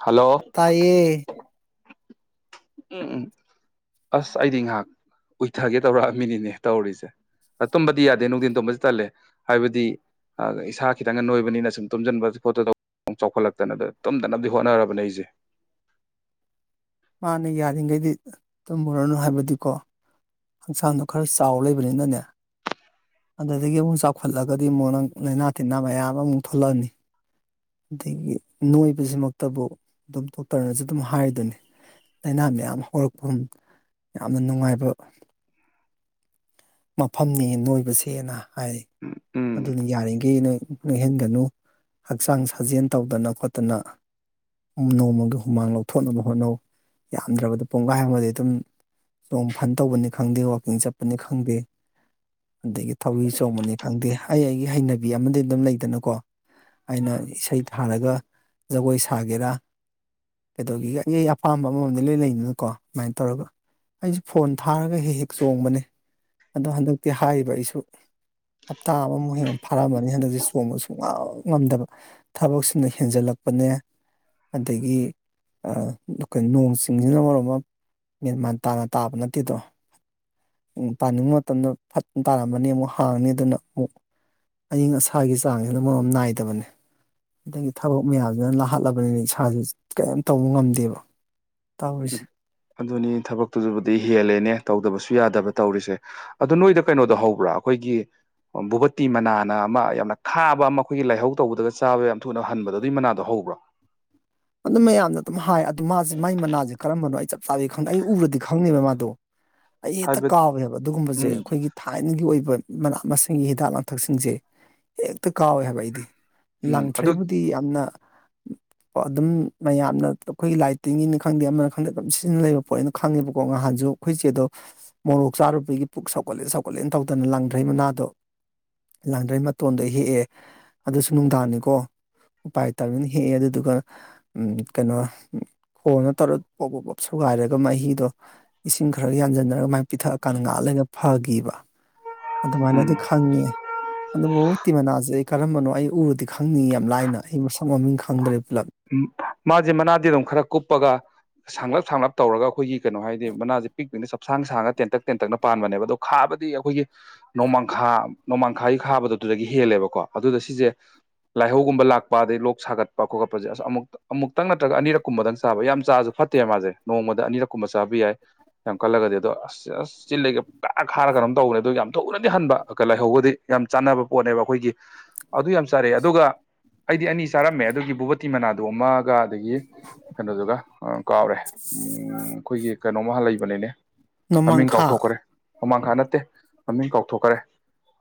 hello ꯇꯥꯏꯌꯦ ꯎꯝ ꯑꯁ ꯑꯩꯗꯤ ꯉꯥꯍꯥꯛ ꯎꯏꯊꯒꯦ ꯇꯧꯔꯛꯑꯝꯃꯤꯅꯤꯅꯦ ꯇꯧꯔꯤꯁꯦ ꯑꯥ ꯇꯨꯝꯕꯗꯤ ꯌꯥꯗꯦ ꯅꯨꯡꯗꯤꯟ ꯇꯨꯝꯕꯁꯤ ꯇꯜꯂꯦ ꯍꯥꯏꯕꯗꯤ ꯑꯥ ꯏꯁꯥ ꯈꯤꯇꯪꯒ ꯅꯣꯏꯕꯅꯤꯅ ꯁꯨꯝ ꯇꯨꯝꯖꯟꯕ ꯈꯣꯠꯇ ꯇꯧ ꯆꯥꯎꯈꯠꯂꯛꯇꯅ ꯇꯨꯝꯗꯅꯕꯗꯤ ꯍꯣꯠꯅꯔꯕꯅꯦ ꯑꯩꯖꯦ ꯃꯥꯅꯦ ꯌꯥꯔꯤꯒꯩꯗꯤ ꯇꯝꯃꯨꯔꯅꯨ ꯍꯥꯏꯕꯗꯤꯀꯣ ꯍꯛꯆꯥꯡꯗꯣ ꯈꯔ ꯆꯥꯎ ꯂꯩꯕꯅꯤꯅꯅꯦ ꯑꯗꯨꯗꯒꯤ ꯑꯃꯨꯛ ꯆꯥꯎꯈꯠꯂꯒꯗꯤ ꯑꯃꯨꯛ ꯅꯪ ꯂꯩꯅꯥ ꯇꯤꯟꯅꯥ ꯃꯌꯥꯝ ꯑꯃꯨꯛ ꯊꯣꯛꯂꯛꯑꯅꯤ ꯑꯗꯒꯤ ꯅꯣꯏꯕꯖꯤꯃꯛꯇꯕꯨ ꯗꯨꯝ ꯗꯣꯛꯇꯔꯅꯁꯨ ꯑꯗꯨꯝ ꯍꯥꯏꯔꯤꯗꯨꯅꯤ ꯂꯩꯅꯥ ꯃꯌꯥꯝ ꯍꯧꯔꯛꯐꯝ ꯌꯥꯝꯅ ꯅꯨꯡꯉꯥꯏꯕ ꯃꯐꯝꯅꯦ ꯅꯣꯏꯕꯁꯦꯅ ꯍꯥꯏ ꯎꯝ ꯑꯗꯨꯅ ꯌꯥꯔꯤꯒꯩ ꯅꯣꯏ ꯅꯣꯏꯍꯟꯒꯅꯨ ꯍꯛꯆꯥꯡ ꯁꯥꯖꯦꯜ ꯇꯧꯗꯅ ꯈꯣꯠꯇꯅ ꯎꯝ ꯅꯣꯡꯃꯒꯤ ꯍꯨꯃꯥꯡ ꯂꯧꯊꯣꯛꯅꯕ ꯍꯣꯠꯅꯧ ꯌꯥꯝꯗ꯭ꯔꯕꯗ ꯄꯨꯡꯒꯥꯏ ꯑꯃꯗꯤ ꯑꯗꯨꯝ ꯆꯣꯡ ꯐꯟ ꯇꯧꯕꯅꯦ ꯈꯪꯗꯦ ꯋꯥꯛꯀꯤꯡ ꯆꯠꯄꯅꯤ ꯈꯪꯗꯦ ꯑꯗꯒꯤ ꯊꯧꯔꯤ ꯆꯣꯡꯕꯅꯤ ꯈꯪꯗꯦ ꯑꯩ ꯑꯩꯒꯤ ꯍꯩꯅꯕꯤ ꯑꯃꯗꯤ ꯑꯗꯨꯝ ꯂꯩꯗꯅꯀꯣ ꯑꯩꯅ ꯏꯁꯩ ꯊꯥꯔꯒ ꯖꯒꯣꯏ ꯁꯥꯒꯦꯔꯥ ꯀꯩꯗꯧꯒꯤꯒꯦ ꯑꯩ ꯑꯩ ꯑꯄꯥꯝꯕ ꯑꯃꯃꯝꯗꯤ ꯂꯣꯏ ꯂꯩꯅꯤꯅꯀꯣ ꯗꯨꯃꯥꯏꯅ ꯇꯧꯔꯒ ꯑꯩꯁꯦ ꯐꯣꯟ ꯊꯥꯔꯒ ꯍꯦꯛ ꯍꯦꯛ ꯆꯣꯡꯕꯅꯦ ꯑꯗꯣ ꯍꯟꯗꯛꯇꯤ ꯍꯥꯏꯔꯤꯕ ꯑꯩꯁꯨ ꯍꯞꯇꯥ ꯑꯃꯃꯨꯛ ꯍꯦꯟꯅ ꯐꯥꯔꯛꯑꯃꯅꯤ ꯍꯟꯗꯛꯁꯦ ꯆꯣꯡꯕ ꯁꯨꯡꯉꯝ ꯉꯝꯗꯕ ꯊꯕꯛꯁꯤꯅ ꯍꯦꯟꯖꯜꯂꯛꯄꯅꯦ ꯑꯗꯒꯤ ꯑꯥ ꯀꯩꯅꯣ ꯅꯣꯡ ꯆꯤꯡꯖꯤꯅ ꯃꯔꯣꯝ ꯑꯃ ꯃꯦꯟꯃꯥꯟ ꯇꯥꯅ ꯇꯥꯕ ꯅꯠꯇꯦꯗꯣ ꯎꯝ ꯄꯥꯅꯤꯡꯉꯣ ꯃꯇꯝꯗ ꯐꯠ ꯇꯥꯔꯝꯃꯅꯤ ꯑꯃꯨꯛ ꯍꯥꯡꯅꯤ ꯑꯗꯨꯅ ꯃꯨꯛ ꯑꯏꯪ ꯑꯁꯥꯒꯤ ꯆꯥꯡꯖꯤꯅ ꯃꯔꯣꯝ ꯑꯃ ꯅꯥꯏꯗꯕꯅꯦ ꯑꯗꯒꯤ ꯊꯕꯛ ꯃꯌꯥꯝꯁꯤꯅ ꯂꯥꯍꯠꯂꯕꯅꯤꯅ ꯏꯁꯥꯖꯦ ꯀꯩꯝ ꯇꯧꯕ ꯉꯝꯗꯦꯕ ꯇꯧꯔꯤꯁꯦ ꯑꯗꯨꯅꯤ ꯊꯕꯛꯇꯨꯖꯨꯕꯨꯗꯤ ꯍꯦꯜꯂꯦꯅꯦ ꯇꯧꯗꯕꯁꯨ ꯌꯥꯗꯕ ꯇꯧꯔꯤꯁꯦ ꯑꯗꯨ ꯅꯣꯏꯗ ꯀꯩꯅꯣꯗꯣ ꯍꯧꯕ꯭ꯔꯣ ꯑꯩꯈꯣꯏꯒꯤ ꯚꯣꯕꯠꯇꯤ ꯃꯅꯥꯅ ꯑꯃ ꯌꯥꯝꯅ ꯈꯥꯕ ꯑꯃ ꯑꯩꯈꯣꯏꯒꯤ ꯂꯥꯏꯍꯧ ꯇꯧꯕꯗꯒ ꯆꯥꯕ ꯌꯥꯝ ꯊꯨꯅ ꯍꯟꯕꯗꯣ ꯑꯗꯨꯏ ꯃꯅꯥꯗꯣ ꯍꯧꯕ꯭ꯔꯣ ꯑꯗꯨꯝ ꯃꯌꯥꯝꯅ ꯑꯗꯨꯝ ꯍꯥꯏ ꯑꯗꯨ ꯃꯥꯖꯤ ꯃꯥꯏ ꯃꯅꯥꯖꯦ ꯀꯔꯝꯕꯅꯣ ꯑꯩ ꯆꯞ ꯆꯥꯕꯤ ꯈꯪꯗꯦ ꯑꯩ ꯎꯔꯗꯤ ꯈꯪꯅꯤꯕ ꯃꯥꯗꯣ ꯑꯩ ꯍꯦꯛꯇ ꯍꯥꯏꯕ ꯀꯥꯎꯋꯦꯕ ꯑꯗꯨꯒꯨꯝꯕꯖꯦ ꯎꯝ ꯑꯩꯈꯣꯏꯒꯤ ꯊꯥꯏꯅꯒꯤ ꯑꯣꯏꯕ ꯃꯅꯥ ꯃꯁꯤꯡꯒꯤ ꯍꯤꯗꯥꯛ ꯂꯥꯡꯊꯛꯁꯤꯡꯁꯦ ꯍꯦꯛꯇ ꯀꯥꯎꯋꯦ ꯍꯥꯏꯕ ꯑꯩꯗꯤ ꯎꯝ ꯑꯗꯨ ꯂꯥꯡꯊ꯭ꯔꯩꯕꯨꯗꯤ ꯌꯥꯝꯅ ꯀꯣ ꯑꯗꯨꯝ ꯃꯌꯥꯝꯅ ꯑꯩꯈꯣꯏꯒꯤ ꯂꯥꯏꯇꯤꯡꯒꯤꯅꯤ ꯈꯪꯗꯦ ꯑꯃ ꯈꯪꯗꯦ ꯑꯗꯨꯝ ꯁꯤꯖꯤꯟꯅ ꯂꯩꯕ ꯄꯣꯠꯅꯦꯅ ꯈꯪꯉꯦꯕꯀꯣ ꯉꯍꯥꯟꯖꯨ ꯑꯩꯈꯣꯏꯆꯦꯗꯣ ꯃꯣꯔꯣꯛ ꯆꯥꯔꯨꯕꯒꯤ ꯄꯨꯛ ꯁꯧꯒꯠꯂꯦ ꯁꯧꯒꯠꯂꯦꯅ ꯇꯧꯗꯅ ꯂꯪꯗ꯭ꯔꯩ ꯃꯅꯥꯗꯣ ꯂꯥꯡꯗ꯭ꯔꯩ ꯃꯇꯣꯟꯗ ꯍꯦꯛꯑꯦ ꯑꯗꯨꯁꯨ ꯅꯨꯡꯗꯥꯡꯅꯤꯀꯣ ꯎꯄꯥꯏ ꯂꯩꯇꯃꯤꯅ ꯍꯦꯛꯑꯦ ꯑꯗꯨꯗꯨꯒ ꯎꯝ ꯀꯩꯅꯣ ꯈꯣꯟꯅ ꯇꯧꯔ ꯄꯣꯞ ꯄꯣꯞ ꯄꯣꯞ ꯁꯨꯒꯥꯏꯔꯒ ꯃꯍꯤꯗꯣ ꯏꯁꯤꯡ ꯈꯔ ꯌꯥꯟꯖꯟꯅꯔꯒ ꯑꯃꯥꯏ ꯄꯤꯊꯛ ꯑꯀꯥꯟꯗ ꯉꯥꯍꯥꯛ ꯂꯩꯔ ꯐꯒꯤꯕ ꯎꯝ ꯑꯗꯨꯃꯥꯏꯅꯗꯤ ꯈꯪꯉꯦ ꯑꯗꯨꯕꯨ ꯇꯤ ꯃꯅꯥꯖꯦ ꯑꯩ ꯀꯔꯝꯕꯅꯣ ꯑꯩ ꯎꯔꯗꯤ ꯈꯪꯅꯤꯌꯦ ꯌꯥꯝ ꯂꯥꯏꯅ ꯑꯩ ꯃꯁꯛ ꯃꯃꯤꯡ ꯈꯪꯗ꯭ꯔꯦ ꯄꯨꯂꯞ ꯎꯝ ꯃꯥꯖꯦ ꯃꯅꯥꯗꯤ ꯑꯗꯨꯝ ꯈꯔ ꯀꯨꯞꯄꯒ ꯁꯥꯡꯂꯞ ꯁꯥꯡꯂꯞ ꯇꯧꯔꯒ ꯑꯩꯈꯣꯏꯒꯤ ꯀꯩꯅꯣ ꯍꯥꯏꯗꯤ ꯃꯅꯥꯖꯦ ꯄꯤꯛ ꯄꯤꯛꯅ ꯆꯞꯁꯥꯡ ꯁꯥꯡꯉ ꯇꯦꯟꯇꯛ ꯇꯦꯟꯇꯛꯅ ꯄꯥꯟꯕꯅꯦꯕ ꯑꯗꯣ__ ꯈꯥꯕꯗꯤ ꯑꯩꯈꯣꯏꯒꯤ ꯅꯣꯡꯃꯥꯡꯈꯥ ꯅꯣꯡꯃꯥꯡꯈꯥꯏꯒꯤ ꯈꯥꯕꯗꯨ ꯑꯗꯨꯗꯒꯤ ꯍꯦꯜꯂꯦꯕꯀꯣ ꯑꯗꯨꯗ ꯁꯤꯖꯦ ꯂꯥꯏꯍꯧꯒꯨꯝꯕ ꯂꯥꯛꯄ ꯑꯗꯩ ꯂꯣꯛ ꯁꯥꯒꯠꯄ ꯈꯣꯠ ꯄꯖꯦ ꯑꯁꯥ ꯑꯃꯨꯛ ꯑꯃꯨꯛꯇꯪ ꯅꯠꯇ꯭ꯔꯒ ꯑꯅꯤꯔꯛ ꯀꯨꯝꯕꯗꯪ ꯆꯥꯕ ꯌꯥꯝ ꯆꯥꯔꯖꯨ ꯐꯠꯇꯦꯕ ꯃꯥꯖꯦ ꯅꯣꯡꯃꯗ ꯑꯅꯤꯔꯛ ꯀꯨꯝꯕ ꯆꯥꯕ ꯌꯥꯏ ꯌꯥꯝ ꯀꯜꯂꯒꯗꯤ ꯑꯗꯣ ꯑꯁ ꯑꯁ ꯆꯤꯜꯂꯩꯒ ꯄꯨꯛꯈꯥ ꯈꯥꯔꯒ ꯀꯩꯅꯣꯝ ꯇꯧꯕꯅꯦ ꯑꯗꯣ ꯌꯥꯝ ꯊꯨꯅꯗꯤ ꯍꯟꯕ ꯀ ꯂꯥꯏꯍꯧꯕꯗꯤ ꯌꯥꯝ ꯆꯥꯟꯅꯕ ꯄꯣꯠꯅꯦꯕ ꯑꯩꯈꯣꯏꯒꯤ ꯑꯗꯨ ꯌꯥꯝ ꯆꯥꯔꯛꯑꯦ ꯑꯗꯨꯒ ꯑꯩꯗꯤ ꯑꯅꯤ ꯆꯥꯔꯝꯃꯦ ꯑꯗꯨꯒꯤ ꯚꯣꯕꯇꯤ ꯃꯅꯥꯗꯣ ꯑꯃꯒ ꯑꯗꯒꯤ ꯀꯩꯅꯣꯗꯨꯒ ꯑ ꯀꯥꯎꯔꯦ ꯎꯝ ꯑꯩꯈꯣꯏꯒꯤ ꯀꯩꯅꯣꯃꯍ ꯂꯩꯕꯅꯤꯅꯦ ꯃꯃꯤꯡ ꯅꯣꯡꯃꯥꯡꯈꯥ ꯀꯥꯎꯊꯣꯛꯈꯔꯦ ꯅꯣꯡꯃꯥꯡꯈꯥ ꯅꯠꯇꯦ ꯃꯃꯤꯡ ꯀꯥꯎꯊꯣꯛꯈꯔꯦ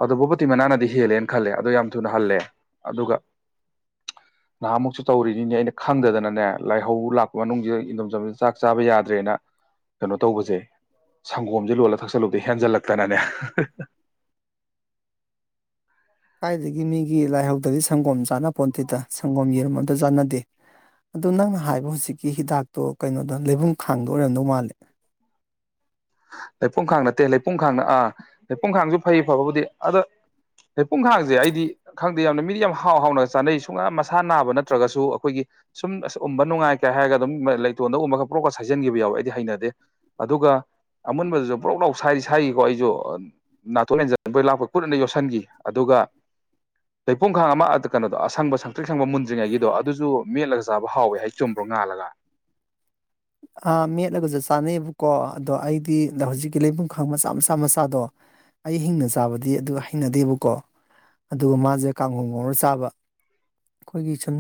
ꯑꯗꯨ ꯕꯨꯕꯣꯇꯤ ꯃꯅꯥꯅꯗꯤ ꯍꯦꯜꯂꯦꯅ ꯈꯜꯂꯦ ꯑꯗꯣ ꯌꯥꯝ ꯊꯨꯅ ꯍꯜꯂꯦ ꯑꯗꯨꯒ ꯅꯍꯥꯟ ꯃꯨꯛꯁꯨ ꯇꯧꯔꯤꯅꯤꯅꯦ ꯑꯩꯅ ꯈꯪꯗ ꯗꯅꯅꯦ ꯂꯥꯏꯍꯧ ꯂꯥꯛꯄ ꯃꯅꯨꯡꯖꯤꯗ ꯏꯟꯗꯝ ꯆꯥꯟꯕ ꯆꯥꯛ ꯆꯥꯕ ꯌꯥꯗ꯭ꯔꯦꯅ ꯀꯩꯅꯣ ꯇꯧꯕꯖꯦ ꯁꯪꯒꯣꯝꯖꯦ ꯂꯣꯜꯂ ꯊꯛꯆꯜꯂꯨꯕꯗꯩ ꯍꯦꯟꯖꯜ ꯂꯛꯇꯅꯅꯦ ꯀꯥꯏꯗꯒꯤ ꯃꯤꯒꯤ ꯂꯥꯏꯍꯧꯗꯒꯤ ꯁꯪꯒꯣꯝ ꯆꯥꯅ ꯄꯣꯟꯇꯦꯗ ꯁꯪꯒꯣꯝ ꯌꯦꯔꯨꯝ ꯑꯝꯇ ꯆꯥꯟꯅꯗꯦ ꯑꯗꯣ ꯅꯪꯅ ꯍꯥꯏꯕ ꯍꯧꯖꯤꯛꯀꯤ ꯍꯤꯗꯥꯛꯇꯣ ꯀꯩꯅꯣꯗ ꯂꯩꯕꯨꯡ ꯈꯥꯡꯗ ꯑꯣꯏꯔꯝꯗꯧ ꯃꯥꯜꯂꯦ ꯂꯩꯄꯨꯡꯈꯥꯡ ꯅꯠꯇꯦ ꯂꯩꯄꯨꯡ ꯈꯥꯡꯅ ꯑꯥ ꯂꯩꯄꯨꯡ ꯈꯥꯡꯁꯨ ꯐꯩ ꯐꯕꯕꯨꯗꯤ ꯑꯗꯣ ꯂꯩꯄꯨꯡꯈꯥꯡꯖꯦ ꯑꯩꯗꯤ ꯈꯪꯗꯦ ꯌꯥꯝꯅ ꯃꯤꯗꯤ ꯌꯥꯝ ꯍꯥꯎ ꯍꯥꯎꯅ ꯆꯥꯅꯩ ꯁꯨꯡꯌꯥ ꯃꯁꯥ ꯅꯥꯕ ꯅꯠꯇ꯭ꯔꯒꯁꯨ ꯑꯩꯈꯣꯏꯒꯤ ꯁꯨꯝ ꯑꯁ ꯎꯝꯕ ꯅꯨꯡꯉꯥꯏꯀ ꯍꯥꯏꯔꯒ ꯑꯗꯨꯝ ꯂꯩꯇꯣꯟꯗ ꯎꯝꯃꯒ ꯀꯣꯔꯣꯛꯀ ꯁꯩꯖꯤꯟꯒꯤꯕ ꯌꯥꯎꯋꯦ ꯑꯩꯗꯤ ꯍꯩꯅꯗꯦ ꯑꯗꯨꯒ ꯑꯃꯨꯟꯕꯗꯨꯖꯨ ꯄꯔꯣꯛ ꯂꯥꯎ ꯁꯥꯏꯗꯤ ꯁꯥꯏꯒꯤꯀꯣ ꯑꯩꯖꯨ ꯅꯥꯠꯊꯣꯟ ꯃꯦꯟꯖꯟꯕꯣꯏ ꯂꯥꯛꯄꯣꯢ ꯀꯨꯠꯑꯅ ꯌꯣꯠꯁꯟꯒꯤ ꯑꯗꯨꯒ ꯂꯩꯄꯨꯡ ꯈꯥꯡ ꯑꯃ ꯑꯥꯠꯇ ꯀꯩꯅꯣꯗꯣ ꯑꯁꯪꯕ ꯁꯪꯇ꯭ꯔꯤꯛ ꯁꯪꯕ ꯃꯨꯟꯗ꯭ꯔꯤꯉꯩꯒꯤꯗꯣ ꯑꯗꯨꯖꯨ ꯃꯦꯠꯂꯒ ꯆꯥꯕ ꯍꯥꯎꯋꯦ ꯍꯩ ꯆꯨꯝꯕ꯭ꯔꯣ ꯉꯥꯜꯂꯒ ꯑ ꯃꯦꯠꯂꯒꯁꯨ ꯆꯥꯅꯩꯌꯦꯕꯀꯣ ꯑꯗꯣ ꯑꯩꯗꯤꯗ ꯍꯧꯖꯤꯛꯀꯤ ꯂꯩꯕꯨꯡꯈꯥꯡ ꯃꯆꯥ ꯃꯆꯥ ꯃꯆꯥꯗꯣ ꯑꯩ ꯍꯤꯡꯅ ꯆꯥꯕꯗꯤ ꯑꯗꯨ ꯍꯩꯅꯗꯦꯕꯀꯣ ꯑꯗꯨꯒ ꯃꯥꯖꯦ ꯀꯥꯡꯉꯧ ꯉꯧꯔ ꯆꯥꯕ ꯑꯩꯈꯣꯏꯒꯤ ꯁꯨꯝ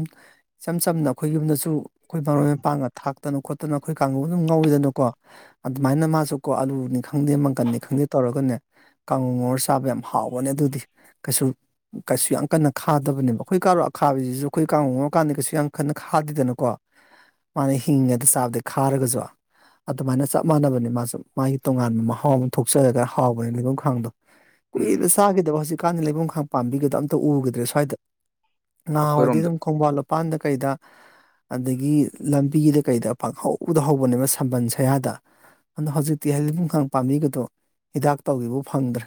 ꯏꯆꯝ ꯆꯝꯅ ꯑꯩꯈꯣꯏ ꯌꯨꯝꯗꯁꯨ ꯑꯩꯈꯣꯏ ꯕꯔꯣꯏ ꯃꯄꯥꯡꯒ ꯊꯥꯛꯇꯅ ꯈꯣꯠ ꯇꯅ ꯑꯩꯈꯣꯏ ꯀꯥꯡꯉꯧ ꯑꯗꯨꯝ ꯉꯧꯋꯤꯗꯅꯀꯣ ꯑꯗꯨꯃꯥꯏꯅ ꯃꯥꯁꯨ ꯀꯣ ꯑꯂꯨꯅꯤ ꯈꯪꯗꯦ ꯃꯪꯒꯟꯅꯤ ꯈꯪꯗꯦ ꯇꯧꯔꯒꯅꯦ ꯀꯥꯡꯉꯧ ꯉꯧꯔ ꯆꯥꯕ ꯌꯥꯝ ꯍꯥꯎꯕꯅꯦ ꯑꯗꯨꯗꯤ ꯀꯩꯁꯨ ꯀꯩꯁꯨ ꯌꯥꯝ ꯀꯟꯅ ꯈꯥꯗꯕꯅꯦꯕ ꯑꯩꯈꯣꯏ ꯀꯥꯔꯣꯠ ꯑꯈꯥꯕꯖꯤꯖꯨ ꯑꯩꯈꯣꯏ ꯀꯥꯡ ꯉꯧꯔꯀꯥꯟꯗ ꯀꯩꯁꯨ ꯌꯥꯝ ꯀꯟꯅ ꯈꯥꯗꯦꯗꯅꯀꯣ ꯃꯥꯅ ꯍꯤꯡꯉꯤꯗ ꯆꯥꯕꯗ ꯈꯥꯔꯒꯖꯨ ꯑꯗꯨꯃꯥꯏꯅ ꯆꯞ ꯃꯅꯕꯅꯦ ꯃꯥꯁꯨ ꯃꯥꯒꯤ ꯇꯣꯉꯥꯟꯕ ꯃꯍꯥꯎ ꯑꯃ ꯊꯣꯛꯆꯔꯒ ꯍꯥꯎꯕꯅꯦ ꯂꯩꯕꯨꯡꯈꯥꯡꯗꯣ [unintelligible] ꯀꯨꯏꯂꯦ ꯎꯝ ꯆꯥꯒꯤꯗꯕ ꯍꯧꯖꯤꯛꯀꯥꯟꯗꯤ ꯂꯩꯕꯨꯡꯈꯥ ꯄꯥꯝꯕꯤꯒꯗꯣ ꯑꯝꯇ ꯎꯒꯗ꯭ꯔꯦ ꯁ꯭ꯋꯥꯏꯗ ꯅꯍꯥꯋꯥꯏꯗꯤ ꯑꯩꯈꯣꯏꯔꯣꯝꯗ ꯑꯗꯨꯝ ꯈꯣꯡꯕꯥꯜ ꯂꯨꯄꯥꯟꯗ ꯀꯩꯗ ꯑꯗꯒꯤ ꯂꯝꯕꯤꯗ ꯀꯩꯗ ꯄꯪꯍꯧꯗ ꯍꯧꯕꯅꯦꯕ ꯁꯝꯕꯜ ꯁꯌꯥꯗ ꯑꯗꯣ ꯍꯧꯖꯤꯛꯇꯤ ꯂꯩꯕꯨꯡꯈꯥꯡ ꯄꯥꯝꯕꯤꯒꯗꯣ ꯍꯤꯗꯥꯛ ꯇꯧꯒꯦ ꯐꯥꯎ ꯐꯪꯗ꯭ꯔꯦ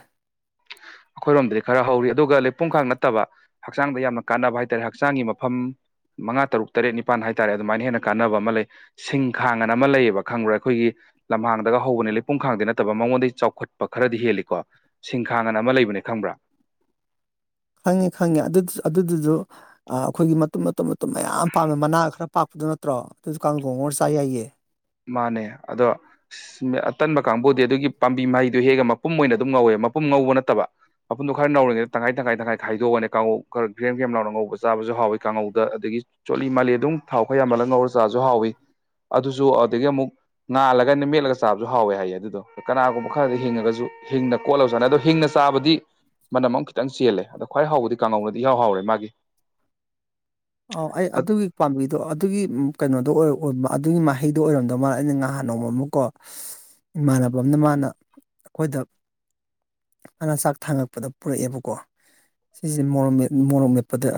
ꯑꯩꯈꯣꯏꯔꯣꯝꯗꯗꯤ ꯈꯔ ꯍꯧꯔꯤ ꯑꯗꯨꯒ ꯂꯩ ꯄꯨꯡꯈꯥꯡ ꯅꯠꯇꯕ ꯍꯛꯆꯥꯡꯗ ꯌꯥꯝꯅ ꯀꯥꯟꯅꯕ ꯍꯥꯏꯇꯥꯔꯦ ꯍꯛꯆꯥꯡꯒꯤ ꯃꯐꯝ ꯃꯉꯥ ꯇꯔꯨꯛ ꯇꯔꯦꯠ ꯅꯤꯄꯥꯟ ꯍꯥꯏꯇꯥꯔꯦ ꯑꯗꯨꯃꯥꯏꯅ ꯍꯦꯟꯅ ꯀꯥꯟꯅꯕ ꯑꯃ ꯂꯩ ꯁꯤꯡ ꯈꯥꯡꯑꯅ ꯑꯃ ꯂꯩꯌꯦꯕ ꯈꯪꯕ꯭ꯔꯥ ꯑꯩꯈꯣꯏꯒꯤ ꯂꯝꯍꯥꯡꯗꯒ ꯍꯧꯕꯅꯤ ꯂꯩꯄꯨꯡ ꯈꯥꯡꯗꯤ ꯅꯠꯇꯕ ꯃꯉꯣꯟꯗꯒꯤ ꯆꯥꯎꯈꯠꯄ ꯈꯔꯗꯤ ꯍꯦꯜꯂꯤꯀꯣ ꯁꯤꯡꯈꯥꯡ ꯉꯅ ꯑꯃ ꯂꯩꯕ ꯂꯩꯕꯅꯦ ꯈꯪꯕ꯭ꯔꯥ ꯈꯪꯉꯦ ꯈꯪꯉꯦ ꯑꯗꯨ ꯑꯗꯨꯗꯨꯖꯨ ꯑꯗꯨꯗꯨꯖꯨ ꯑꯩꯈꯣꯏꯒꯤ ꯃꯇꯨꯝ ꯃꯇꯨꯝ ꯃꯇꯨꯝ ꯃꯌꯥꯝ ꯄꯥꯟꯕ ꯃꯅꯥ ꯈꯔ ꯄꯥꯛꯄꯗꯣ ꯅꯠꯇ꯭ꯔꯣ ꯑꯗꯨꯁꯨ ꯀꯥꯡꯒꯧ ꯉꯧꯔ ꯆꯥꯕ ꯌꯥꯏꯌꯦ ꯃꯥꯟꯅꯦ ꯑꯗꯣ ꯑꯁ ꯑꯇꯟꯕ ꯀꯥꯡꯕꯨꯗꯤ ꯑꯗꯨꯒꯤ ꯄꯥꯝꯕꯤ ꯃꯍꯩꯗꯨ ꯍꯦꯛꯒ ꯃꯄꯨꯝ ꯑꯣꯏꯅ ꯑꯗꯨꯝ ꯉꯧꯋꯦ ꯃꯄꯨꯝ ꯉꯧꯕ ꯅꯠꯇꯕ ꯃꯄꯨꯟꯗꯣ ꯈꯔ ꯅꯧꯔꯤꯉꯩꯗ ꯇꯪꯈꯥꯏ ꯇꯪꯈꯥꯏ ꯇꯪꯈꯥꯏ ꯈꯥꯏꯗꯣꯛ ꯑꯒꯅꯦ ꯀꯥꯡꯉꯧ ꯈꯔ ꯒ꯭ꯔꯦꯝ ꯒ꯭ꯔꯦꯝ ꯂꯥꯎꯅ ꯉꯧꯕ ꯆꯥꯕꯁꯨ ꯍꯥꯎꯋꯤ ꯀꯥꯡꯉꯧꯗ ꯑꯗꯒꯤ ꯆꯣꯠꯂꯤ ꯃꯥꯜꯂꯤ ꯑꯗꯨꯝ ꯊꯥꯎ ꯈꯔ ꯌꯥꯝꯍꯜꯂ ꯉꯧꯔ ꯆꯥꯖꯨ ꯍꯥꯎꯏ ꯑꯗꯨꯁꯨ ꯑꯗꯨꯗꯒꯤ ꯑꯃꯨꯛ ꯉꯜꯂꯒꯅꯦ ꯃꯦꯠꯂꯒ ꯆꯥꯕꯁꯨ ꯍꯥꯎꯋꯦ ꯍꯥꯏꯌꯦ ꯑꯗꯨꯗꯣ ꯀꯅꯥꯒꯨꯝꯕ ꯈꯔꯗꯤ ꯍꯤꯡꯅꯒꯁꯨ ꯍꯤꯡꯅ ꯀꯣꯠꯂꯕ ꯆꯥꯅꯩ ꯑꯗꯣ ꯍꯤꯡꯅ ꯆꯥꯕꯗꯤ ꯃꯅꯝ ꯑꯃ ꯈꯤꯇꯪ ꯆꯦꯜꯂꯦ ꯑꯗꯣ ꯈ꯭ꯋꯥꯏ ꯍꯥꯎꯕꯗꯤ ꯀꯥꯡꯉꯧꯅꯗꯤ ꯏꯍꯥꯎ ꯍꯥꯎꯋꯦ ꯃꯥꯒꯤ ꯑꯣ ꯑꯩ ꯑꯗꯨꯒꯤ ꯄꯥꯝꯕꯤꯗꯣ ꯑꯗꯨꯒꯤ ꯀꯩꯅꯣꯗꯣ ꯑꯣ ꯑꯣ ꯑꯗꯨꯒꯤ ꯃꯍꯩꯗꯣ ꯑꯣꯏꯔꯝꯗꯧ ꯃꯥꯜꯂꯦ ꯑꯩꯅ ꯉꯍꯥꯟ ꯅꯣꯡꯃꯃꯥ ꯀꯣ ꯏꯃꯥꯟꯅꯕ ꯑꯃꯅ ꯃꯥꯅ ꯑꯩꯈꯣꯏꯗ ꯃꯅꯥ ꯆꯥꯛ ꯊꯥꯡꯉꯛꯄꯗ ꯄꯨꯔꯛ ꯑꯦꯕꯀꯣ ꯁꯤꯖꯦ ꯃꯣꯔꯣꯛ ꯃꯦꯠ ꯃꯣꯔꯣꯛ ꯃꯦꯠꯄꯗ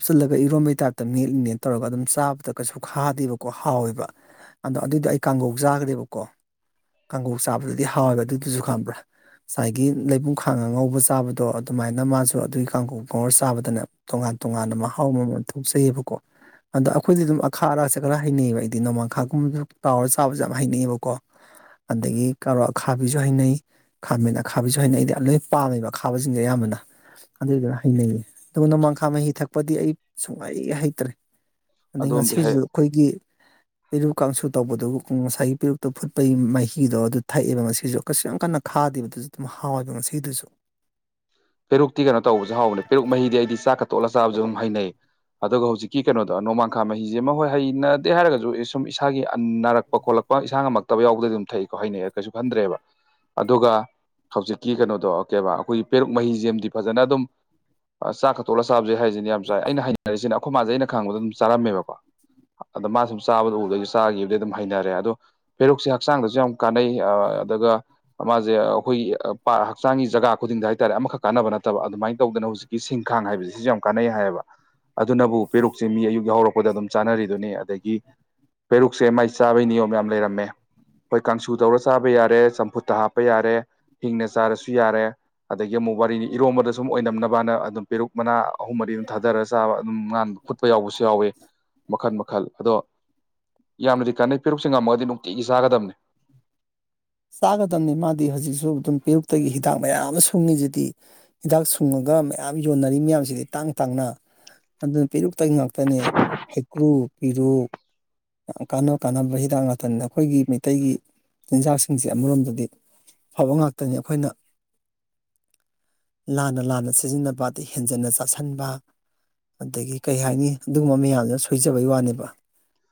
ꯍꯥꯞꯆꯜꯂꯒ ꯏꯔꯣꯝꯕꯩ ꯇꯥꯏꯞꯇ ꯃꯦꯠꯂꯤꯅꯦ ꯇꯧꯔꯒ ꯑꯗꯨꯝ ꯆꯥꯕꯗ ꯀꯩꯁꯨ ꯈꯥꯗꯦꯕꯀꯣ ꯍꯥꯎꯋꯦꯕ ꯑꯗꯣ ꯑꯗꯨꯗꯣ ꯑꯩ ꯀꯥꯡꯒꯧ ꯆꯥꯒ꯭ꯔꯦꯕꯀꯣ ꯀꯥꯡꯒꯧ ꯆꯥꯕꯗꯗꯤ ꯍꯥꯎꯋꯦꯕ ꯑꯗꯨꯗꯨꯖꯨ ꯈꯪꯕ꯭ꯔꯥ ꯉꯁꯥꯏꯒꯤ ꯂꯩꯕꯨꯡ ꯈꯥꯡ ꯉꯧꯔ ꯆꯥꯕꯗꯣ ꯑꯗꯨꯃꯥꯏꯅ ꯃꯥꯖꯨ ꯑꯗꯨꯒꯤ ꯀꯥꯡꯒꯧ ꯉꯧꯔ ꯆꯥꯕꯗꯅꯦ ꯇꯣꯉꯥꯟ ꯇꯣꯉꯥꯟꯅ ꯃꯍꯥꯎ ꯑꯃꯃꯝ ꯊꯣꯛꯆꯩꯌꯦꯕꯀꯣ ꯑꯗꯣ ꯑꯩꯈꯣꯏꯗꯤ ꯑꯗꯨꯝ ꯑꯈꯥ ꯑꯔꯥꯛꯁꯦ ꯈꯔ ꯍꯩꯅꯩꯌꯦꯕ ꯑꯩꯗꯤ ꯅꯣꯡꯃꯥꯡꯈꯥꯒꯨꯝꯕꯗ ꯇꯥꯎꯔꯒ ꯆꯥꯕꯖꯦ ꯌꯥꯝ ꯍꯩꯅꯩꯌꯦꯕꯀꯣ ꯑꯗꯥꯒꯤ ꯀꯔꯣꯠ ꯑꯈꯥꯕꯤꯁꯨ ꯍꯩꯅꯩ ꯈꯥꯃꯦꯟ ꯑꯈꯥꯕꯤꯖꯨ ꯍꯩꯅꯩ ꯑꯩꯗꯤ ꯂꯣꯏ ꯄꯥꯝꯃꯦꯕ ꯈꯥꯕꯁꯤꯡꯁꯦ ꯑꯌꯥꯝꯕꯅ ꯑꯗꯨꯗꯣ ꯍꯩꯅꯩꯌꯦ ꯑꯗꯨ ꯅꯣꯡꯃꯈꯥ ꯃꯍꯤ ꯊꯛ ꯄꯗꯤ ꯑꯩ ꯁꯨꯛꯍꯩ ꯍꯩꯇ꯭ꯔꯦ ꯑꯗꯩ ꯑꯗꯣꯝꯗꯤ ꯉꯁꯤꯖꯨ ꯍꯦꯛ ꯑꯩꯈꯣꯏꯒꯤ ꯄꯦꯔꯨꯛ ꯀꯥꯡꯁꯨ ꯇꯧꯕꯗꯨꯕꯨ ꯉꯁꯥꯏꯒꯤ ꯄꯦꯔꯨꯛꯇꯣ ꯐꯨꯠꯄꯒꯤ ꯃꯍꯤꯗꯣ ꯑꯗꯨ ꯊꯛꯑꯦꯕ ꯉꯁꯤꯖꯨ ꯀꯩꯁꯨ ꯌꯥꯝ ꯀꯟꯅ ꯈꯥꯗꯦꯕꯗꯨꯁꯨ ꯑꯗꯨꯝ ꯍꯥꯎꯋꯦꯕ ꯉꯁꯤꯒꯤꯗꯨꯁꯨ ꯄꯦꯔꯨꯛꯇꯤ ꯀꯩꯅꯣ ꯇꯧꯕꯁꯨ ꯍꯥꯎꯕꯅꯦ ꯄꯦꯔꯨꯛ ꯃꯍꯤꯗꯤ ꯑꯩꯗꯤ ꯆꯥꯛꯀ ꯇꯣꯠꯂ ꯆꯥꯕꯁꯨ ꯑꯗꯨꯝ ꯍꯩꯅꯩ ꯑꯗꯨꯒ ꯍꯧꯖꯤꯛꯀꯤ ꯀꯩꯅꯣꯗꯣ ꯅꯣꯡꯃꯥꯡꯈꯥ ꯃꯍꯤꯖꯦ ꯑꯃ ꯍꯣꯏ ꯍꯩꯅꯗꯦ ꯍꯥꯏꯔꯒꯁꯨ ꯑꯦ ꯁꯨꯝ ꯏꯁꯥꯒꯤ ꯑꯦ ꯅꯥꯔꯛꯄ ꯈꯣꯠꯂꯛꯄ ꯏꯁꯥ ꯉꯝꯃꯛꯇꯕ ꯌꯥꯎꯕꯗꯗꯤ ꯑꯗꯨꯝ ꯊꯛꯏꯀꯣ ꯍꯩꯅꯩ ꯀꯩꯁꯨ ꯈꯟꯗ꯭ꯔꯦꯕ ꯑꯗꯨꯒ ꯍꯧꯖꯤꯛꯀꯤ ꯀꯩꯅꯣꯗꯣ ꯀꯩꯑꯕꯥ ꯑꯩꯈꯣꯏꯒꯤ ꯄꯦꯔꯨꯛ ꯃꯍꯤꯖꯤꯝꯗꯤ ꯐꯥꯖꯅ ꯑꯗꯨꯝ ꯆꯥꯛꯀ ꯇꯣꯠꯂꯒ ꯆꯥꯕꯦꯁꯦ ꯍꯥꯏꯁꯤꯅ ꯌꯥꯝꯅ ꯆꯥꯏ ꯑꯩꯅ ꯍꯩꯅꯔꯤꯁꯤꯅ ꯑꯩꯈꯣꯏ ꯃꯥꯁꯦ ꯑꯩꯅ ꯈꯪꯕꯗ ꯑꯗꯨꯝ ꯆꯥꯔꯝꯃꯦꯕꯀꯣ ꯑꯗ ꯃꯥꯁꯨ ꯆꯥꯕꯗꯨ ꯎꯕꯗ ꯑꯩꯁꯨ ꯆꯥꯒꯤꯕꯗꯒꯤ ꯑꯗꯨꯝ ꯍꯩꯅꯔꯦ ꯑꯗꯣ ꯄꯦꯔꯨꯛꯁꯦ ꯍꯛꯆꯥꯡꯗꯁꯨ ꯌꯥꯝ ꯀꯥꯟꯅꯩ ꯑꯗꯨꯒ ꯃꯥꯖꯦ ꯑꯩꯈꯣꯏꯒꯤ ꯍꯛꯆꯥꯡꯒꯤ ꯖꯒꯥ ꯈꯨꯗꯤꯡꯗ ꯍꯥꯏ ꯍꯥꯏꯇꯥꯥꯔꯦ ꯑꯃꯈꯛ ꯀꯥꯟꯅꯕ ꯅꯠꯇꯕ ꯑꯗꯨꯃꯥꯏꯅ ꯇꯧꯗꯅ ꯍꯧꯖꯤꯛꯀꯤ ꯁꯤꯡꯈꯥꯡ ꯍꯥꯏꯕꯁꯤ ꯁꯤꯖꯨ ꯌꯥꯝ ꯀꯥꯟꯅꯩ ꯍꯥꯏꯌꯦꯕ ꯑꯗꯨꯅꯕꯨ ꯄꯦꯔꯨꯛꯁꯦ ꯃꯤ ꯑꯌꯨꯛ ꯌꯥ ꯍꯧꯔꯛꯄꯗ ꯑꯗꯨꯝ ꯆꯥꯅꯔꯤꯗꯨꯅꯤ ꯑꯗꯒꯤ ꯄꯦꯔꯨꯛꯁꯦ ꯃꯥꯏ ꯆꯥꯕꯩ ꯅꯤꯌꯣꯝ ꯌꯥꯝ ꯂꯩꯔꯝꯃꯦ ꯍꯣꯏ ꯀꯥꯡꯁꯨ ꯇꯧꯔ ꯆꯥꯕ ꯌꯥꯔꯦ ꯆꯝꯐꯨꯠꯇ ꯍꯥꯞꯄ ꯌꯥꯔꯦ ꯍꯤꯡꯅ ꯆꯥꯔꯁꯨ ꯌꯥꯔꯦ ꯑꯗꯒꯤ ꯑꯃꯨꯛ ꯋꯥꯔꯤꯅꯤ ꯏꯔꯣꯝꯕꯗ ꯁꯨꯝ ꯑꯣꯏꯅꯝꯅꯕꯅ ꯑꯗꯨꯝ ꯄꯦꯔꯨꯛ ꯃꯅꯥ ꯑꯍꯨꯝ ꯃꯔꯤ ꯑꯗꯨꯝ ꯊꯥꯗꯔꯒ ꯆꯥꯕ ꯑꯗꯨꯝ ꯉꯥꯟ ꯐꯨꯠꯄ ꯌꯥꯎꯕꯁꯨ ꯌꯥꯎꯋꯤ ꯃꯈꯜ ꯃꯈꯜ ꯑꯗꯣ ꯌꯥꯝꯅꯗꯤ ꯀꯥꯟꯅꯩ ꯄꯦꯔꯨꯛꯁꯤ ꯉꯝꯃꯒꯗꯤ ꯅꯨꯡꯇꯤꯒꯤ ꯆꯥꯒꯗꯝ ꯆꯥꯒꯗꯝꯅꯤ ꯃꯥꯗꯤ ꯍꯧꯖꯤꯛꯁꯨ ꯑꯗꯨꯝ ꯄꯦꯔꯨꯛꯇꯒꯤ ꯍꯤꯗꯥꯛ ꯃꯌꯥꯝ ꯑꯃ ꯁꯨꯡꯉꯤꯁꯤꯗꯤ ꯍꯤꯗꯥꯛ ꯁꯨꯡꯉꯒ ꯃꯌꯥꯝ ꯌꯣꯟꯅꯔꯤ ꯃꯌꯥꯝꯁꯤꯗꯤ ꯇꯥꯡꯅꯥ ꯇꯥꯡꯅ ꯑꯗꯨ ꯄꯦꯔꯨꯛꯇꯒꯤ ꯉꯥꯛꯇꯅꯦ ꯍꯩꯀ꯭ꯔꯨ ꯄꯦꯔꯨꯛ ꯑꯥ ꯀꯥꯟꯅꯕ ꯀꯥꯟꯅꯕ ꯍꯤꯗꯥꯛ ꯉꯥꯛꯇꯅꯤꯗ ꯑꯩꯈꯣꯏꯒꯤ ꯃꯩꯇꯩꯒꯤ ꯆꯤꯟꯖꯥꯛꯁꯤꯡꯁꯦ ꯑꯃꯔꯣꯝꯗꯗꯤ ꯑꯐꯕ ꯉꯥꯛꯇꯅꯤ ꯑꯩꯈꯣꯏꯅ ꯂꯥꯟꯅ ꯂꯥꯟꯅ ꯁꯤꯖꯤꯟꯅꯕ ꯑꯗꯩ ꯍꯦꯟꯖꯟꯅ ꯆꯥꯥꯁꯟꯕ ꯑꯗꯒꯤ ꯀꯩ ꯍꯥꯏꯅꯤ ꯑꯗꯨꯒꯨꯝꯕ ꯃꯌꯥꯝꯗꯨꯅ ꯁꯣꯏꯖꯕꯩ ꯋꯥꯅꯦꯕ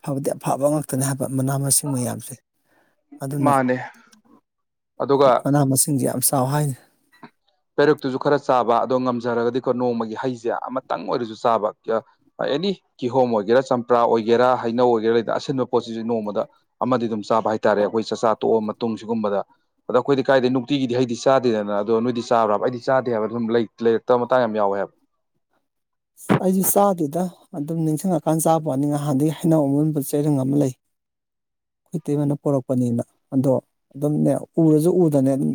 ꯐꯕꯗꯤ ꯑꯐꯕ ꯉꯥꯛꯇꯅꯦ ꯍꯥꯏꯕ ꯃꯅꯥ ꯃꯁꯤꯡ ꯃꯌꯥꯝꯁꯦ ꯑꯗꯨꯅ ꯃꯥꯅꯦ ꯑꯗꯨꯒ ꯃꯅꯥ ꯃꯁꯤꯡ ꯌꯥꯝ ꯆꯥꯎ ꯍꯥꯏꯅꯦ ꯄꯦꯔꯛꯇꯨꯁꯨ ꯈꯔ ꯆꯥꯕ ꯑꯗꯣ ꯉꯝꯖꯔꯒꯗꯤꯀꯣ ꯅꯣꯡꯃꯒꯤ ꯍꯩꯁꯦ ꯑꯃꯇꯪ ꯑꯣꯏꯔꯁꯨ ꯆꯥꯕ ꯑꯥ ꯑꯦꯅꯤ ꯀꯤꯍꯣꯝ ꯑꯣꯏꯒꯦꯔꯥ ꯆꯝꯄ꯭ꯔꯥ ꯑꯣꯏꯒꯦꯔꯥ ꯍꯩꯅꯧ ꯑꯣꯏꯒꯦꯔꯥ ꯗ ꯑꯁꯤꯟꯕ ꯄꯣꯠꯁꯤꯁꯨ ꯅꯣꯡꯃꯗ ꯑꯃꯗꯤ ꯑꯗꯨꯝ ꯆꯥꯕ ꯍꯥꯏꯇꯥꯔꯦ ꯑꯩꯈꯣꯏ ꯆꯥꯛꯆꯥ ꯇꯣꯛꯑ ꯃꯇꯨꯡ ꯁꯤꯒꯨꯝꯕꯗ ꯑꯗꯣ ꯑꯈꯣꯏꯗꯤ ꯀꯥꯏꯗꯩ ꯅꯨꯡꯇꯤꯒꯤꯗꯤ ꯍꯩꯗꯤ ꯆꯥꯗꯦꯗꯅ ꯑꯗꯣ ꯅꯣꯏꯗꯤ ꯆꯥꯕ꯭ꯔꯥꯕ ꯑꯩꯗꯤ ꯆꯥꯗꯦ ꯍꯥꯏꯕ ꯑꯗꯨꯨꯝ ꯂꯩ ꯂꯩꯔꯛꯇ ꯃꯇꯥꯡ ꯌꯥꯝ ꯌꯥꯎꯋꯦ ꯍꯥꯏꯕ ꯑꯁ ꯑꯩꯖꯨ ꯆꯥꯗꯦꯗ ꯑꯗꯨꯝ ꯅꯤꯡꯁꯤꯡꯉꯀꯥꯟ ꯆꯥꯕꯋꯥꯅꯤ ꯉꯥꯍꯥꯟꯗꯒꯤ ꯍꯩꯅꯧ ꯑꯃꯨꯟꯕ ꯆꯩꯔꯪ ꯑꯃ ꯂꯩ ꯏꯇꯩꯃꯥꯏꯅ ꯄꯣꯔꯛꯄꯅꯤꯅ ꯑꯗꯣ ꯑꯗꯨꯝꯅꯦ ꯎꯔꯁꯨ ꯎꯗꯅꯦ ꯑꯗꯨꯝ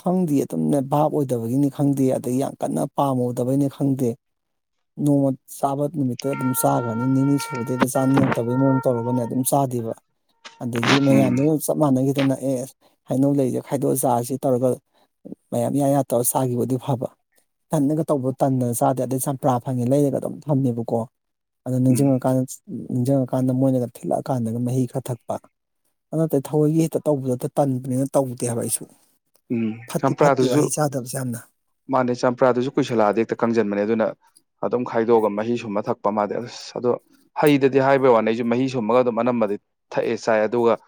ꯈꯪꯗꯤꯌꯦ ꯑꯗꯨꯝꯅꯦ ꯚꯥꯞ ꯑꯣꯏꯗꯕꯒꯤꯅꯤ ꯈꯪꯗꯦ ꯑꯗꯒꯤ ꯌꯥꯝ ꯀꯟꯅ ꯄꯥꯝꯃꯨꯗꯕꯩꯅꯤ ꯈꯪꯗꯦ ꯅꯣꯡꯃ ꯆꯥꯕ ꯅꯨꯃꯤꯠꯇ ꯑꯗꯨꯝ ꯆꯥꯒ꯭ꯔꯅꯤ ꯅꯤꯅꯤ ꯁꯨꯕꯗꯩꯗꯤ ꯆꯥꯅꯤꯡꯇꯕꯒꯤ ꯃꯑꯣꯡ ꯇꯧꯔꯒꯅꯦ ꯑꯗꯨꯝ ꯆꯥꯗꯦꯕ ꯑꯗꯒꯤ ꯎꯝ ꯃꯌꯥꯝꯃꯨꯛ ꯆꯞ ꯃꯥꯟꯅꯒꯤꯗꯅ ꯑꯦꯁ ꯍꯥꯏꯅꯧ ꯂꯩꯖꯦ ꯈꯥꯏꯗꯣꯛꯑ ꯆꯥꯖꯤ ꯇꯧꯔꯒ ꯃꯌꯥꯝ ꯌꯥ ꯌꯥ ꯇꯧꯔ ꯆꯥꯒꯤꯕ ꯑꯣꯏꯗꯤ ꯐꯕ ꯏꯊꯟꯗꯒ ꯇꯧꯕ ꯇꯟꯗꯅ ꯆꯥꯗꯦ ꯑꯗꯩ ꯆꯝꯄ꯭ꯔꯥ ꯐꯪꯉꯦ ꯂꯩꯔꯒ ꯑꯗꯨꯝ ꯊꯝꯃꯦꯕꯀꯣ ꯑꯗꯨ ꯎꯝ ꯅꯤꯡꯖꯤꯡꯉꯀꯥꯟ ꯅꯤꯡꯖꯪꯉꯛ ꯀꯥꯟꯗ ꯃꯣꯏꯅꯒ ꯊꯤꯠꯂꯛꯑ ꯀꯥꯟꯗꯒ ꯃꯍꯤ ꯈꯔ ꯊꯛꯄ ꯑꯗꯨ ꯅꯠꯇꯗꯤ ꯊꯑꯣꯏꯒꯤ ꯍꯦꯛꯇ ꯇꯧꯕꯗꯛꯇ ꯇꯟꯕꯅꯤꯅ ꯇꯧꯗꯦ ꯍꯥꯏꯕ ꯑꯩꯁꯨ ꯎꯝ ꯐꯠꯇꯤ ꯐꯠꯇꯦꯕ ꯆꯝꯄ꯭ꯔꯥꯗꯨꯁꯨ ꯍꯩ ꯆꯥꯗꯕꯖꯦ ꯌꯥꯝꯅ ꯃꯥꯅꯦ ꯆꯝꯄ꯭ꯔꯥꯗꯨꯖꯨ ꯀꯨꯏꯁꯜꯂꯛꯑꯗꯤ ꯍꯦꯛꯇ ꯀꯪꯖꯟꯕꯅꯦ ꯑꯗꯨꯅ ꯑꯗꯨꯝ ꯈꯥꯏꯗꯣꯛꯑꯒ ꯃꯍꯤꯁꯨꯝꯃ ꯊꯛꯄ ꯃꯥꯗꯤ ꯑꯁ ꯑꯗꯣ ꯍꯩꯗꯗꯤ ꯍꯥꯏꯕꯩ ꯋꯥꯅꯤ ꯑꯩꯖꯨ ꯃꯍꯤ ꯁꯨꯝꯃꯒ ꯑꯗꯨꯝ ꯑꯅꯝꯕꯗꯤ ꯊꯛꯑꯦ ꯆꯥꯏ ꯑꯗꯨꯒ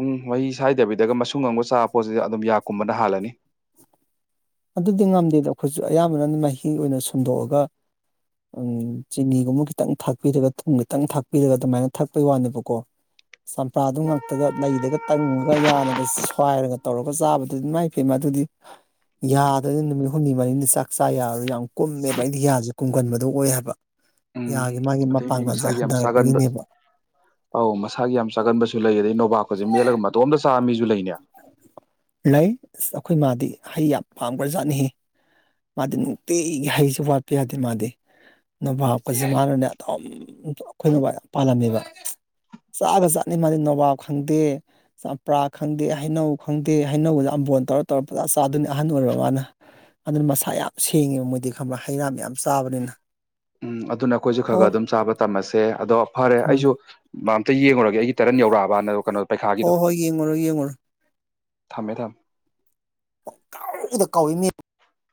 ꯎꯝ ꯃꯍꯤ ꯁꯥꯏꯗꯕꯤꯗꯒ ꯃꯁꯨꯡ ꯑꯃꯒ ꯆꯥꯕ ꯄꯣꯠꯁꯤꯗ ꯑꯗꯨꯝ ꯌꯥꯛꯀꯨꯝꯕꯅ ꯍꯥꯜꯂꯅꯤ ꯑꯗꯨꯗꯤ ꯉꯝꯗꯦꯗ ꯑꯩꯈꯣꯏꯖꯨ ꯑꯌꯥꯝꯕꯅ ꯃꯍꯤ ꯑꯣꯏꯅ ꯁꯨꯝꯗꯣꯛꯑꯒ ꯎꯝ ꯆꯤꯅꯤꯒꯨꯝꯕ ꯈꯤꯇꯪ ꯊꯥꯛꯄꯤꯔꯒ ꯊꯨꯝ ꯈꯤꯇꯪ ꯊꯥꯛꯄꯤꯔꯒ ꯑꯗꯨꯃꯥꯏꯅ ꯊꯛꯄꯩ ꯋꯥꯅꯦꯕꯀꯣ ꯆꯝꯄ꯭ꯔꯥꯗꯨ ꯉꯥꯛꯇꯒ ꯂꯩꯗꯒ ꯇꯪꯉꯒ ꯌꯥꯅꯒ ꯁ꯭ꯋꯥꯏꯔꯒ ꯇꯧꯔꯒ ꯆꯥꯕꯗꯨꯗꯤ ꯏꯃꯥꯏ ꯄꯦꯝꯃ ꯑꯗꯨꯗꯤ ꯌꯥꯒꯗꯣ ꯅꯨꯃꯤꯠ ꯍꯨꯝꯅꯤ ꯃꯔꯤꯅꯤ ꯆꯥꯛ ꯆꯥ ꯌꯥꯔꯣꯏ ꯌꯥꯝ ꯀꯨꯝꯃꯦꯕ ꯑꯩꯗꯤ ꯌꯥꯖꯦ ꯀꯨꯝꯒꯟꯕꯗꯣ ꯑꯣꯏ ꯍꯥꯏꯕ ꯎꯝ ꯌꯥꯒꯤ ꯃꯥꯒꯤ ꯑꯗꯩ ꯃꯤ ꯃꯄꯥꯡꯒꯜꯖꯦ ꯃꯁꯥꯒꯤ ꯌꯥꯝ ꯆꯥꯒꯟꯕ ꯍꯟꯗꯔꯛꯄꯒꯤꯅꯦꯕ ꯑꯧ ꯃꯁꯥꯒꯤ ꯌꯥꯝ ꯆꯥꯒꯟꯕꯁꯨ ꯂꯩ ꯑꯗꯩ ꯅꯣꯕꯥꯥꯞꯀꯖꯦ ꯃꯦꯠꯂꯒ ꯃꯇꯣꯝꯗ ꯆꯥꯕ ꯃꯤꯖꯨ ꯂꯩꯅꯦ ꯂꯩ ꯑꯁ ꯑꯩꯈꯣꯏ ꯃꯥꯗꯤ ꯍꯩ ꯌꯥꯝ ꯄꯥꯝꯒ꯭ꯔꯖꯠꯅꯤꯍꯦ ꯃꯥꯗꯤ ꯅꯨꯡꯇꯤꯒꯤ ꯍꯩꯖꯨ ꯋꯥꯠꯄ ꯌꯥꯗꯦ ꯃꯥꯗꯤ ꯅꯣꯕꯥꯞ ꯀꯖꯦ ꯃꯥꯅꯅꯦ ꯑꯗꯨꯝ ꯑꯩꯈꯣꯏ ꯅꯣꯕꯥꯞ ꯌꯥꯝ ꯄꯥꯜꯂꯝꯃꯦꯕ ꯆꯥꯒ꯭ꯔ ꯖꯥꯠꯅꯤ ꯃꯥꯗꯤ ꯅꯣꯕꯥꯞ ꯈꯪꯗꯦ ꯆꯝꯄ꯭ꯔꯥ ꯈꯪꯗꯦ ꯍꯩꯅꯧ ꯈꯪ ꯇꯦ ꯍꯩꯅꯧꯒꯖꯦ ꯑꯝꯕꯣꯟ ꯇꯧꯔ ꯇꯧꯔ ꯄꯪꯆꯥ ꯆꯥꯗꯨꯏꯅꯦ ꯑꯍꯟ ꯑꯣꯏꯔꯕ ꯃꯥꯅ ꯑꯗꯨꯅ ꯃꯁꯥ ꯌꯥꯝ ꯁꯦꯡꯉꯦꯕ ꯃꯣꯏꯗꯤ ꯈꯪꯕ꯭ꯔꯥ ꯍꯩ ꯔꯥ ꯃꯌꯥꯝ ꯆꯥꯕꯅꯤꯅ ꯎꯝ ꯑꯗꯨꯅ ꯑꯈꯣꯏꯖꯨ ꯍꯣ ꯈꯔꯒ ꯑꯗꯨꯝ ꯆꯥꯕ ꯇꯝꯃꯁꯦ ꯑꯗꯣ ꯐꯔꯦ ꯎꯝ ꯑꯩꯖꯨ ꯃꯥ ꯑꯝꯇ ꯌꯦꯡꯉꯨꯔꯒ ꯑꯩꯒꯤ ꯇꯔꯟ ꯌꯧꯔꯛꯑꯕꯅ ꯀꯅꯣ ꯍꯣ ꯍꯣꯏ ꯌꯦꯡꯉꯨꯔꯣ ꯌꯦꯡꯉꯨꯔꯣ ꯊꯝꯃꯦ ꯊꯝ ꯄꯪꯀꯥꯎꯗ ꯀꯧꯏꯅꯦ